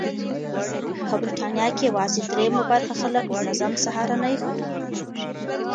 په بریتانیا کې یوازې درېیمه برخه خلک منظم سهارنۍ خوري.